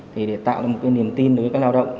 thì để tạo ra một cái niềm tin đối với các lao động